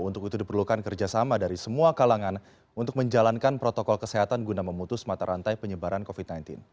untuk itu diperlukan kerjasama dari semua kalangan untuk menjalankan protokol kesehatan guna memutus mata rantai penyebaran covid sembilan belas